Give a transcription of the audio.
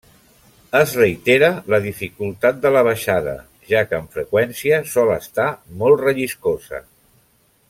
Es reitera la dificultat de la baixada, ja que amb freqüència sol estar molt relliscosa.